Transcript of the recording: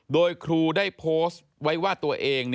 โดยครูได้โพสต์ไว้ว่าตัวเอง